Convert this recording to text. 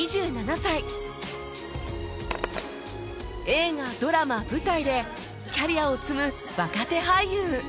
映画ドラマ舞台でキャリアを積む若手俳優